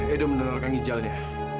edo mendonorkan ginjalnya